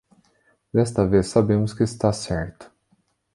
Desta vez, sabemos que está certo.